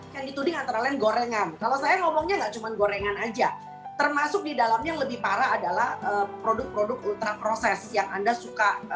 makanya kenapa banyak orang mengatakan kalau selesma kalau flu minum sup